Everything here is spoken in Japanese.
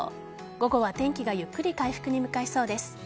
午後は天気がゆっくり回復に向かいそうです。